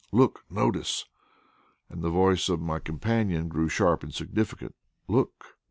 "Look notice!" and the voice of my companion grew sharp and significant; "look!"